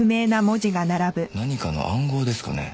何かの暗号ですかね？